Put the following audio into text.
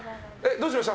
どうしました？